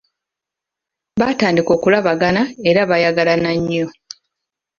Baatandika okulabagana era baayagalana nnyo.